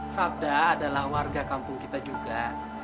sabda adalah warga kampung kita juga